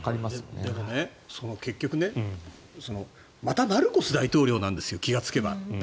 でも、結局ねまたマルコス大統領なんですよ気がつけば。